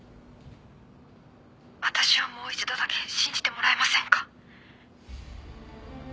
「私をもう一度だけ信じてもらえませんか？」